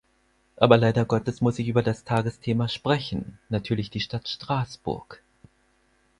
Aber leider Gottes muss ich über das Tagesthema sprechen, natürlich die Stadt Straßburg.